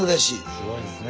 すごいですね。